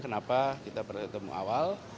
kenapa kita bertemu awal